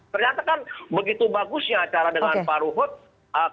ternyata kan begitu bagusnya acara dengan pak ruhut